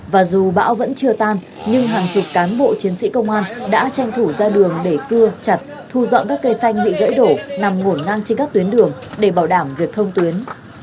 và dù bão vẫn chưa tan nhưng hàng chục cán bộ chiến sĩ công an đã tranh thủ ra đường để cưa chặt thu dọn các cây xanh bị gãy đổ nằm ngổn ngang trên các tuyến đường để bảo đảm việc thông tuyến